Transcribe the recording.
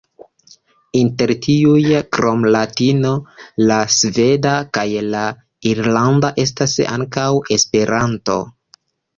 Inter tiuj, krom latino, la sveda kaj la irlanda estas ankaŭ Esperanto.